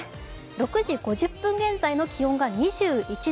６時５０分現在の気温が２１度。